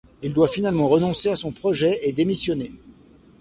Il doit finalement renoncer à son projet et démissionner.